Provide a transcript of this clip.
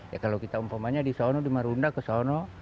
ya kalau kita umpamanya di sana di marunda ke sana